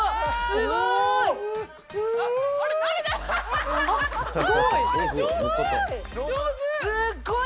すごーい！